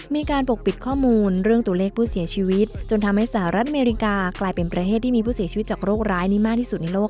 ปกปิดข้อมูลเรื่องตัวเลขผู้เสียชีวิตจนทำให้สหรัฐอเมริกากลายเป็นประเทศที่มีผู้เสียชีวิตจากโรคร้ายนี้มากที่สุดในโลก